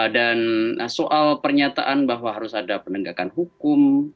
dan soal pernyataan bahwa harus ada penegakan hukum